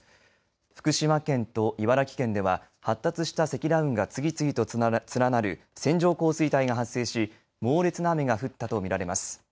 福島県と茨城県では発達した積乱雲が次々と連なる線状降水帯が発生し猛烈な雨が降ったと見られます。